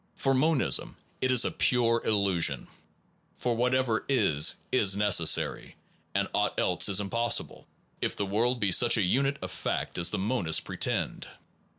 For monism, it is a pure illusion; for whatever is is necessary, and aught else is impossible, if the world be such a unit of fact as monists pretend.